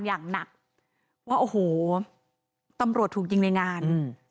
อย่างหนักว่าโอ้โหตำรวจถูกยิงในงานอืม